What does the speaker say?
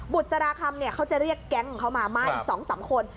บุษราคำเขาจะเรียกแก๊งของเขามามาอีก๒๓คน